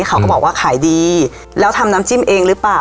เขาก็บอกว่าขายดีแล้วทำน้ำจิ้มเองหรือเปล่า